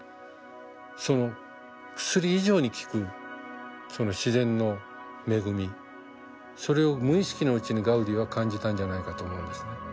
その薬以上に効くその自然の恵みそれを無意識のうちにガウディは感じたんじゃないかと思うんですね。